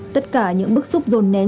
tất cả những bức xúc rồn nén